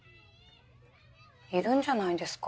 いるんじゃないですか。